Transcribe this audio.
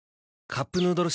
「カップヌードル」